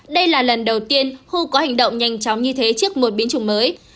đây là lần đầu tiên khu có hành động nhanh chóng như thế trước một biến chủng mới